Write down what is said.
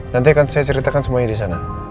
nanti akan saya ceritakan semuanya disana